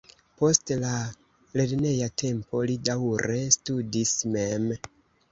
Post la lerneja tempo li daŭre studis mem.